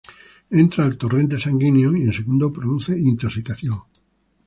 Entra al torrente sanguíneo; y, en segundos produce intoxicación.